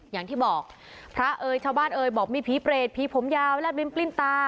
อย่างที่บอกพระเอ๋ยชาวบ้านเอ๋ยบอกมีผีเปรตผีผมยาวและบลิ้นปลิ้นตา